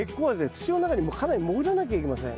土の中にかなり潜らなきゃいけません。